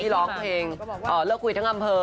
ร้องเพลงเลิกคุยทั้งอำเภอ